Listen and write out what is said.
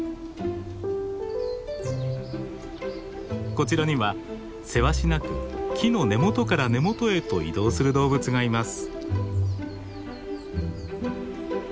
こちらにはせわしなく木の根元から根元へと移動する動物がいます。